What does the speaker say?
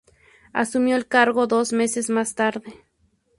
Asumió el cargo dos meses más tarde.